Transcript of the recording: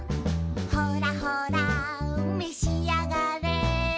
「ほらほらめしあがれ」